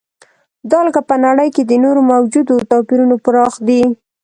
دا لکه په نړۍ کې د نورو موجودو توپیرونو پراخ دی.